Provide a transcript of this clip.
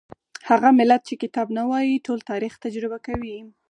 هغه ملت چې کتاب نه وايي ټول تاریخ تجربه کوي.